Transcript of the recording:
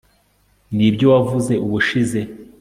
nibyo wavuze ubushize